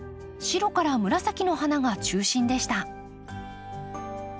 白から紫の花が中心でした。